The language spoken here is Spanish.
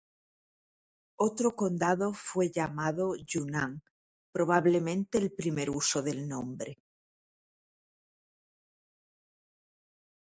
Otro condado fue llamado "Yunnan", probablemente el primer uso del nombre.